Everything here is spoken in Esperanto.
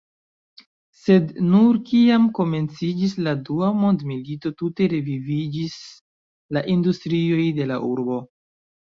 Sed nur kiam komenciĝis la dua mondmilito tute reviviĝis la industrioj de la urbo.